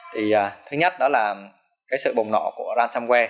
thứ nhất đó là sự bùng nổ của ransomware